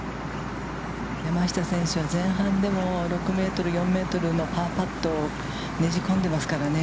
山下選手は、前半でも６メートル、４メートルのパーパットをねじ込んでますからね。